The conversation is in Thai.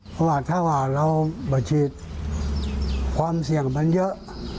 เพราะว่าถ้าว่าเรามาฉีดความเสี่ยงมันเยอะ